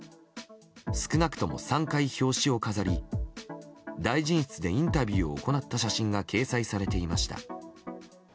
少なくとも３回、表紙を飾り大臣室でインタビューを行った写真が掲載されていました。